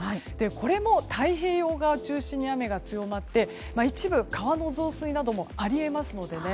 これも太平洋側を中心に雨が強まって一部、川の増水などもあり得ますので。